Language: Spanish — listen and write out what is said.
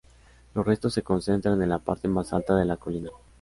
Los restos se concentran en la parte más alta de la colina.